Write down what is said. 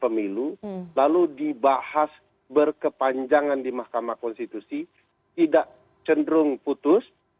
pemilu lalu dibahas berkepanjangan di mahkamah konstitusi tidak cenderung putus